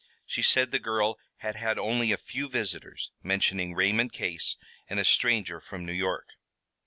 She said the girl had had only a few visitors, mentioning Raymond Case and a stranger from New York.